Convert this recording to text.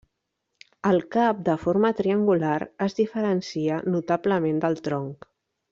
El cap, de forma triangular, es diferencia notablement del tronc.